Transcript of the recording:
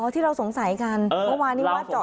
อ๋อที่เราสงสัยกันเมื่อวานี้ว่าจอกจง